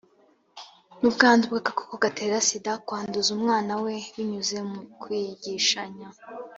n ubwandu bw agakoko gatera sida kwanduza umwana we binyuze mu kwigishanya